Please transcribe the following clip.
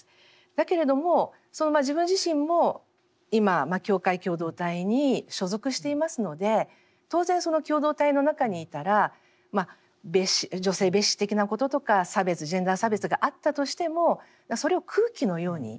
だけれどもその自分自身も今教会共同体に所属していますので当然その共同体の中にいたら女性蔑視的なこととか差別ジェンダー差別があったとしてもそれを空気のように吸っている。